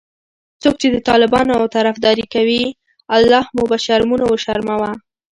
څوک چې د طالبانو طرفدارې کوي الله مو به شرمونو وشرموه😖